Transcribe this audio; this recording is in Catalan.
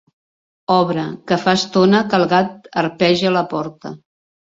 Obre, que fa estona que el gat arpeja la porta.